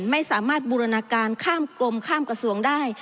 ไม่สามารถบูรณาการข้ามกรมข้ามกระทรวงได้